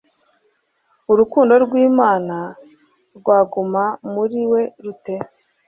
urukundo rw Imana rwaguma muri we rute